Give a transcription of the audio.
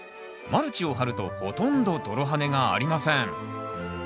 マルチを張るとほとんど泥跳ねがありません